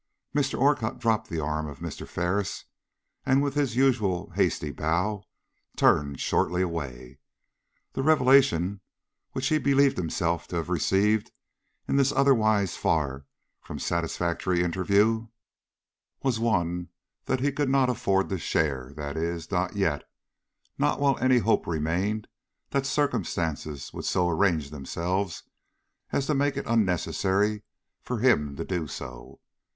Mr. Orcutt dropped the arm of Mr. Ferris, and, with his usual hasty bow, turned shortly away. The revelation which he believed himself to have received in this otherwise far from satisfactory interview, was one that he could not afford to share that is, not yet; not while any hope remained that circumstances would so arrange themselves as to make it unnecessary for him to do so.